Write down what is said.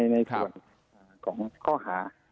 ในส่วนข้อหา